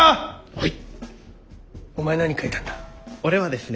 はい！